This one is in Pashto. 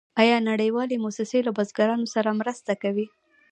آیا نړیوالې موسسې له بزګرانو سره مرسته کوي؟